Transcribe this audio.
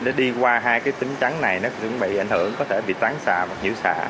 nó đi qua hai cái tính trắng này nó cũng bị ảnh hưởng có thể bị tán xạ hoặc diễu xạ